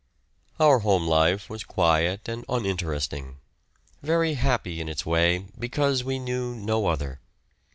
Our home life was quiet and uninteresting, very happy in its way because we knew no other.